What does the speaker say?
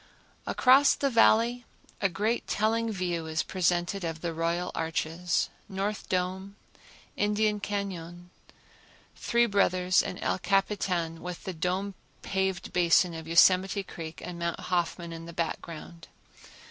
Across the Valley a great telling view is presented of the Royal Arches, North Dome, Indian Cañon, Three Brothers and El Capitan, with the dome paved basin of Yosemite Creek and Mount Hoffman in the background.